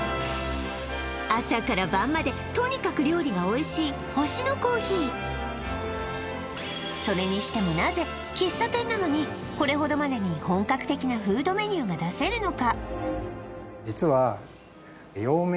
朝から晩までとにかくそれにしてもなぜ喫茶店なのにこれほどまでに本格的なフードメニューが出せるのか？